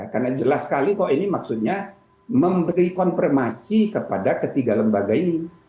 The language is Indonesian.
karena jelas sekali kok ini maksudnya memberi konfirmasi kepada ketiga lembaga ini